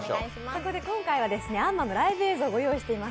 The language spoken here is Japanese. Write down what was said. そこで今回は「アンマー」のライブ映像をご用意しています。